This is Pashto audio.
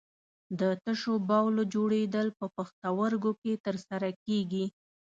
د تشو بولو جوړېدل په پښتورګو کې تر سره کېږي.